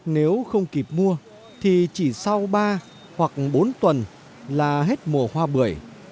nếu không kịp mua thì chỉ sau ba hoặc bốn tuần là hết mùa hoa bưởi